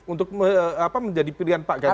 untuk menjadi pilihan pak ganjar